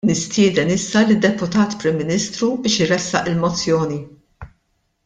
Nistieden issa lid-Deputat Prim Ministru biex iressaq il-Mozzjoni.